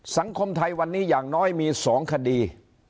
สังคมไทยวันนี้อย่างน้อยมี๒คดี